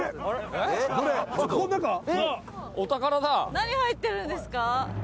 何入ってるんですか？